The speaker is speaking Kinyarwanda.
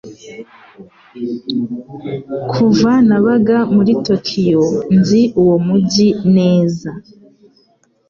Kuva nabaga muri Tokiyo, nzi uwo mujyi neza.